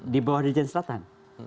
dibawah dirijen selatan